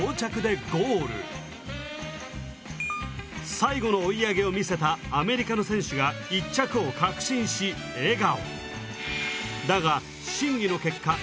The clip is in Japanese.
最後の追い上げを見せたアメリカの選手が１着を確信し笑顔。